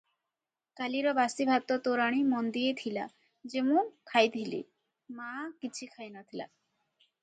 କାଲିର ବାସି ଭାତ ତୋରାଣି ମନ୍ଦିଏ ଥିଲା ଯେ ମୁଁ ଖାଇଥିଲି- ମାଆ କିଛି ଖାଇ ନଥିଲା ।